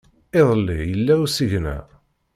Iḍelli yella usigna.